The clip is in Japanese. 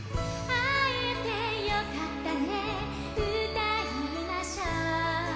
「あえてよかったねうたいましょう」